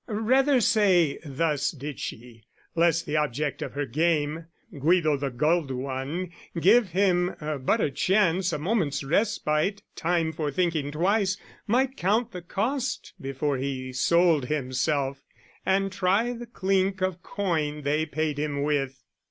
Rather say, Thus did she, lest the object of her game, Guido the gulled one, give him but a chance, A moment's respite, time for thinking twice, Might count the cost before he sold himself, And try the clink of coin they paid him with.